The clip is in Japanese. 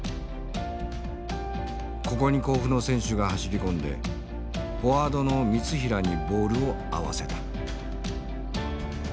ここに甲府の選手が走り込んでフォワードの三平にボールを合わせた。